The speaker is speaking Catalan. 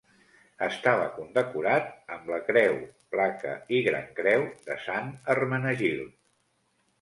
Estava condecorat amb la Creu, Placa i Gran Creu de Sant Hermenegild.